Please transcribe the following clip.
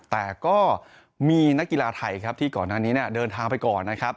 แต่ก็มีนักกีฬาไทยที่ก่อนอันนี้เดินทางไปก่อน